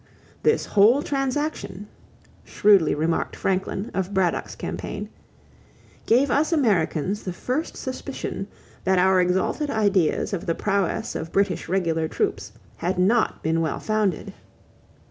"This whole transaction," shrewdly remarked Franklin of Braddock's campaign, "gave us Americans the first suspicion that our exalted ideas of the prowess of British regular troops had not been well founded."